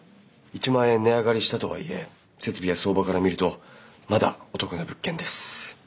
１万円値上がりしたとはいえ設備や相場から見るとまだお得な物件です。